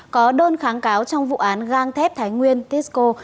có đơn kháng cáo trong vụ án gang thép thái nguyên tisco